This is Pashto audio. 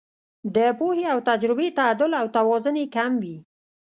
د پوهې او تجربې تعدل او توازن یې کم وي.